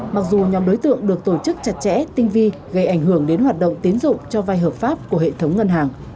mặc dù nhóm đối tượng được tổ chức chặt chẽ tinh vi gây ảnh hưởng đến hoạt động tiến dụng cho vai hợp pháp của hệ thống ngân hàng